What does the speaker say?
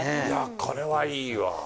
いやこれはいいわ。